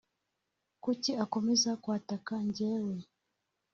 Kuki akomeza kwataka njyewe